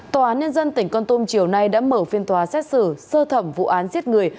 tòa án nhân dân tỉnh con tum chiều nay đã mở phiên tòa xét xử sơ thẩm vụ án giết người